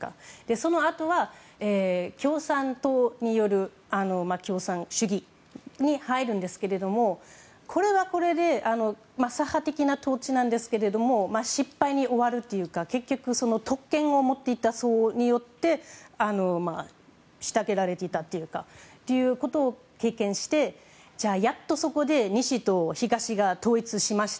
そのあとは共産党による共産主義に入るんですけどもこれはこれで左派的な統治なんですけれども失敗に終わるというか結局特権を持っていた層によって虐げられていたというかそれを経験してやっとそこで西と東が統一しました。